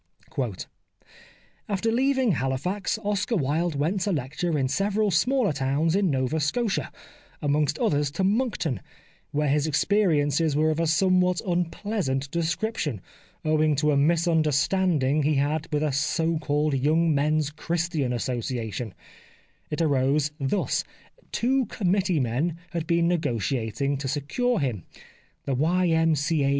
" After leaving Halifax, Oscar Wilde went to lecture in several smaller towns in Nova Scotia, amongst others to Moncton, where his experiences were of a somewhat unpleasant description, owing to a misunderstanding he had with a so called Young Men's Christian Association ; it arose thus :— Two committee men had been negotiating to secure him. The Y.M.C.A.